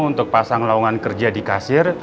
untuk pasang lawangan kerja di kasir